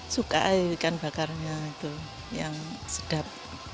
suka air ikan bakarnya itu yang sedap